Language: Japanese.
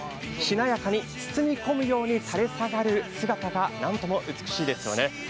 しなやかに包み込むように垂れ下がる姿が美しいですよね。